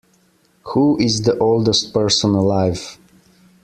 Who is the oldest person alive?